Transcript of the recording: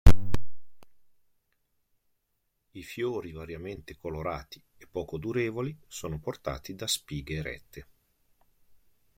I fiori variamente colorati, e poco durevoli, sono portati da spighe erette.